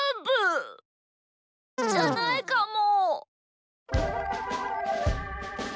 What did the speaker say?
じゃないかも。